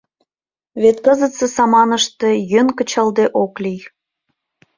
Вет кызытсе саманыште йӧн кычалде ок лий.